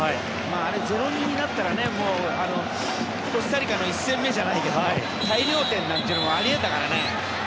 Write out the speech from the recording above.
あれ、０−２になったらコスタリカの１戦目じゃないけど大量点なんていうのもあり得たからね。